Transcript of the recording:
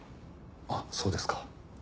あっそうですか。